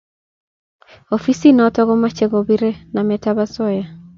Ofisit notok ko mache ko parie namet ab asoya